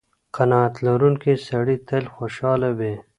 قناعت لرونکی سړی تل خوشحاله وي.